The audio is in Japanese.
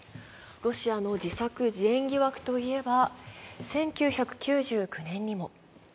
ロシアの自作自演疑惑といえば１９９９年にも。